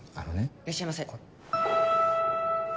いらっしゃいませ。